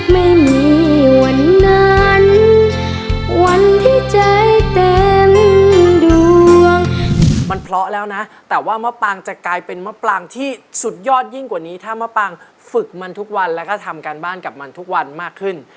มันเพลาะแล้วนะแต่ว่ามะปางจะกลายเป็นมะปางที่สุดยอดยิ่งกว่านี้ถ้ามะปางฝึกมันทุกวันแล้วก็ทำการบ้านกับมันทุกวันมากขึ้น